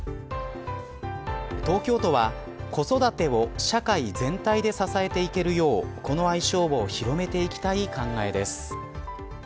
東京都は子育てを社会全体で支えていけるようこの愛称を広めていきたい考えです。